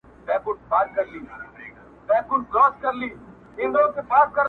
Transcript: مُلا به وي منبر به وي ږغ د آذان به نه وي!